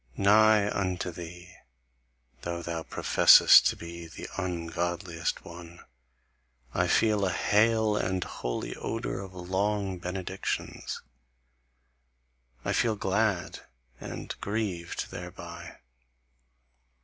Nigh unto thee, though thou professest to be the ungodliest one, I feel a hale and holy odour of long benedictions: I feel glad and grieved thereby.